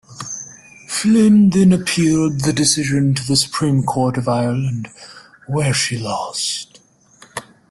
Flynn then appealed the decision to the Supreme Court of Ireland, where she lost.